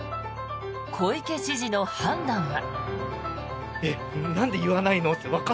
小池知事の判断は。